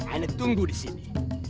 ana tunggu disini